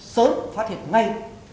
sớm phát hiện ngay